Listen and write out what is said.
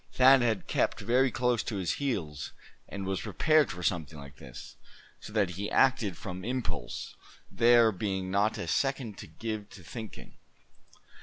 Thad had kept very close to his heels, and was prepared for something like this, so that he acted from impulse, there being not a second to give to thinking.